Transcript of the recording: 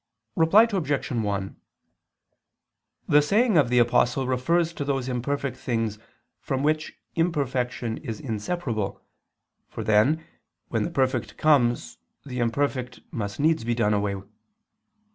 Reply Obj. 1: The saying of the Apostle refers to those imperfect things from which imperfection is inseparable, for then, when the perfect comes the imperfect must needs be done away.